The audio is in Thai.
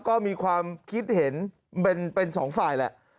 ก็มีความคิดเห็นเป็นสองฝ่ายแหละ